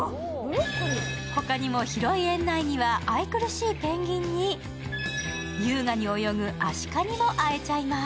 他にも広い園内には愛くるしいペンギンに、優雅に泳ぐアシカにも会えちゃいます。